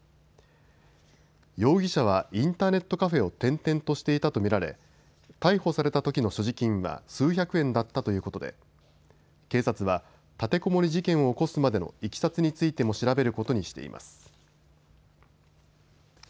容疑者はインターネットカフェを転々としていたと見られ逮捕されたときの所持金は数百円だったということで警察は立てこもり事件を起こすまでのいきさつについても調べることにしています。